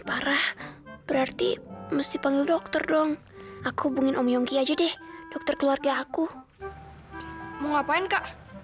sampai jumpa di video selanjutnya